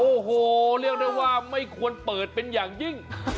โอ้โหเรียกได้ว่าไม่ควรเปิดเป็นอย่างยิ่ง